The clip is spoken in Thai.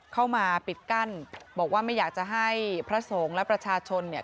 เข้ามาปิดกั้นบอกว่าไม่อยากจะให้พระสงฆ์และประชาชนเนี่ย